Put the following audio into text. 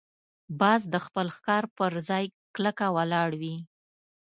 باز د خپل ښکار پر ځای کلکه ولاړ وي